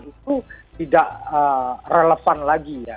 itu tidak relevan lagi ya